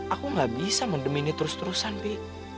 aku gak bisa mendem ini terus terusan pi